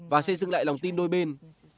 và xây dựng lại lòng tin đôi bên